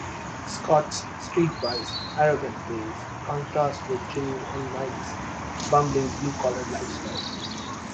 Scott's streetwise, arrogant ways contrast with Jimmy and Mike's bumbling blue-collar lifestyle.